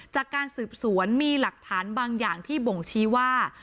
จากการสืบสวนมีหลักฐานบางอย่างที่บ่งชี้ว่า